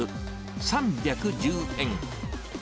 ３１０円。